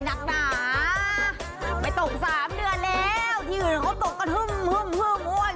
นักหนาไม่ตกสามเดือนแล้วที่อื่นเขาตกกระทึ่มทึ่มทึ่มโอ้ย